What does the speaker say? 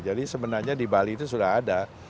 jadi sebenarnya di bali itu sudah ada